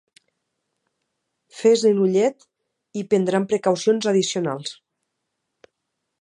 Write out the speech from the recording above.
Fes-li l'ullet, i prendran precaucions addicionals.